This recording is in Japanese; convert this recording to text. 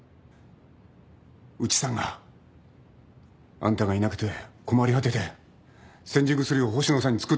内さんがあんたがいなくて困り果ててせんじ薬を星野さんに作ってやってることを。